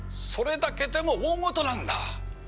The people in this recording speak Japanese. それだけでも大事なんだ。